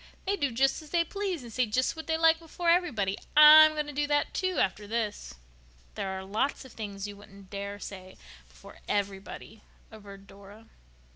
They do just as they please and say just what they like before everybody. I'm going to do that, too, after this." "There are lots of things you wouldn't dare say before everybody," averred Dora.